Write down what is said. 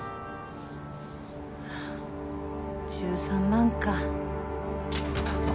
１３万か。